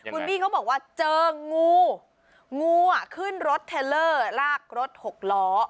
คุณบี้เขาบอกว่าเจองูงูอ่ะขึ้นรถเทลเลอร์ลากรถหกล้อ